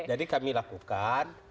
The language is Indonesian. jadi kami lakukan